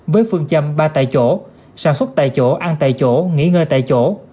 với phương châm ba tại chỗ sản xuất tại chỗ ăn tại chỗ nghỉ ngơi tại chỗ